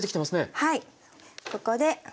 はい。